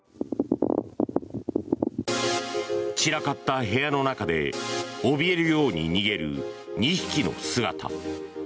散らかった部屋の中でおびえるように逃げる２匹の姿。